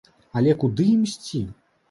Але куды ім ісці?